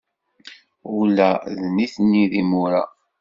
Ula d nitni d imura.